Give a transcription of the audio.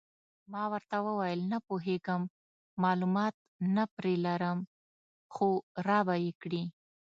ما ورته وویل: نه پوهېږم، معلومات نه پرې لرم، خو را به یې کړي.